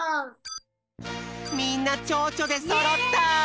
みんな「ちょうちょ」でそろった！